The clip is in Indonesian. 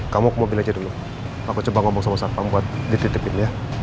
kamu ke mobil aja dulu aku coba ngomong sama satpam buat dititipin ya